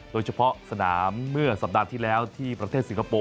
โดยเฉพาะสนามเมื่อสัปดาห์ที่แล้วที่ประเทศสิงคโปร์